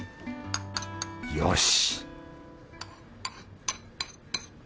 よし！